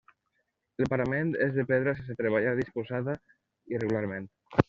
El parament és de pedra sense treballar disposada irregularment.